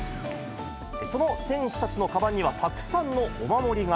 その選手たちのかばんには、たくさんのお守りが。